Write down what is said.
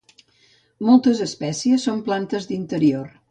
Moltes espècies són plantes d'interior.